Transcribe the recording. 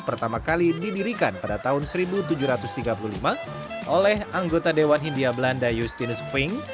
pertama kali didirikan pada tahun seribu tujuh ratus tiga puluh lima oleh anggota dewan hindia belanda justinus ving